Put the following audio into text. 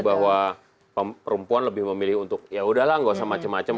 bahwa perempuan lebih memilih untuk yaudahlah nggak usah macem macem